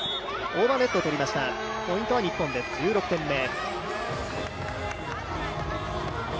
オーバーネットを取りましたポイントは日本です、１６点目。